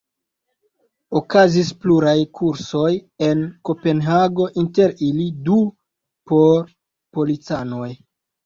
Okazis pluraj kursoj en Kopenhago, inter ili du por policanoj.